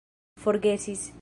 forgesis